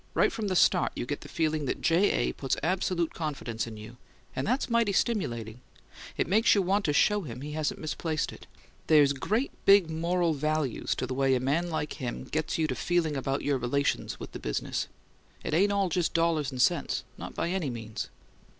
Right from the start you get the feeling that J. A. puts absolute confidence in you; and that's mighty stimulating: it makes you want to show him he hasn't misplaced it. There's great big moral values to the way a man like him gets you to feeling about your relations with the business: it ain't all just dollars and cents not by any means!"